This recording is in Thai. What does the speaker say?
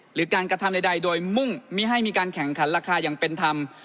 หรือการกระทำใดโดยมุ่งไม่ให้มีการแข่งขันราคาอย่างเป็นธรรม